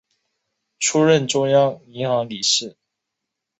出任中央银行理事。